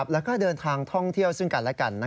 แล้วก็เดินทางท่องเที่ยวซึ่งกันและกัน